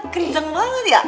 kenceng banget ya